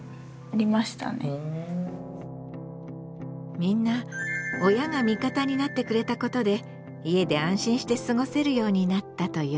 みんな親が味方になってくれたことで家で安心して過ごせるようになったという。